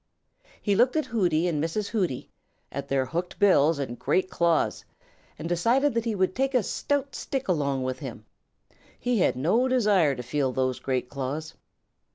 He looked at Hooty and Mrs. Hooty, at their hooked bills and great claws, and decided that he would take a stout stick along with him. He had no desire to feel these great claws.